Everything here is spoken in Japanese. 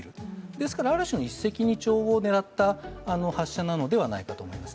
ですから、ある種の一石二鳥を狙った発射なのではないかと思います。